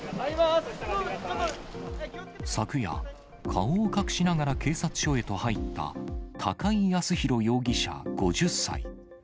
昨夜、顔を隠しながら警察署へと入った高井靖弘容疑者５０歳。